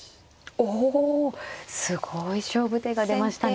おすごい勝負手が出ましたね。